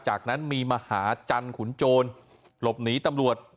จากนั้นมีมหาจันขุนโจรหลบหนีตำรวจ